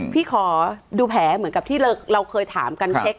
พี่ขอดูแผลเหมือนกับที่เราเคยถามกันเช็ค